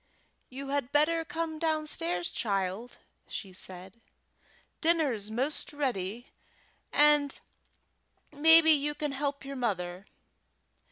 "You had better come downstairs, child," said she. "Dinner's 'most ready, and mebbe you can help your mother.